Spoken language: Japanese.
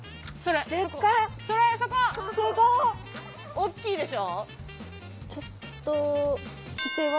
おっきいでしょ？